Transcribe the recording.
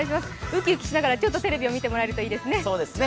ウキウキしながらテレビを見てもらえるといいですね。